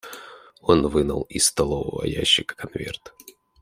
Он вынул из столового ящика конверт.